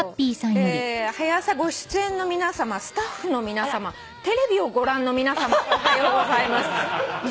「『はや朝』ご出演の皆さまスタッフの皆さまテレビをご覧の皆さまおはようございます」